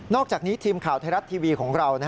อกจากนี้ทีมข่าวไทยรัฐทีวีของเรา